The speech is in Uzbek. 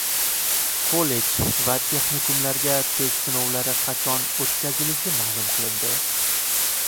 Kollej va texnikumlarga test sinovlari qachon o‘tkazilishi ma’lum qilindi